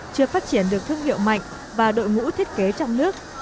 chưa phát triển được thương hiệu mạnh và đội ngũ thiết kế trong nước